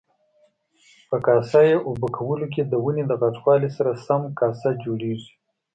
په کاسه یي اوبه کولو کې د ونې د غټوالي سره سم کاسه جوړیږي.